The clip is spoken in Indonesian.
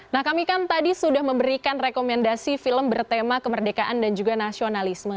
nah kami kan tadi sudah memberikan rekomendasi film bertema kemerdekaan dan juga nasionalisme